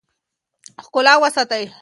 ښکلا وستایئ.